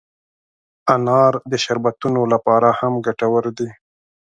انار د شربتونو لپاره هم ګټور دی.